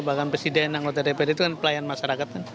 bahkan presiden yang otodeped itu kan pelayan masyarakat kan